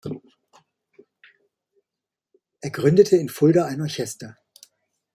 Er gründete in Fulda ein Orchester.